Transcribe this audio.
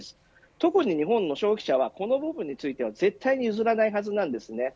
特に日本の消費者はこの部分については絶対に譲らないはずなんです。